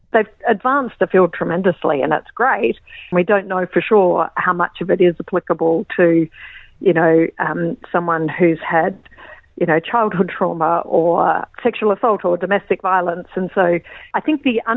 saya pikir proses yang terdapat di bawah ini dianggap sama dengan cara ptsd yang telah ditetapkan dan ditahan